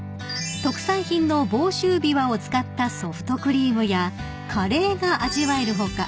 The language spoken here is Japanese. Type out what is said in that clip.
［特産品の房州びわを使ったソフトクリームやカレーが味わえる他